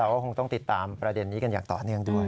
ก็คงต้องติดตามประเด็นนี้กันอย่างต่อเนื่องด้วย